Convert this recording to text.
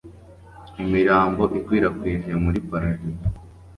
Imirambo ikwirakwijwe muri paradizo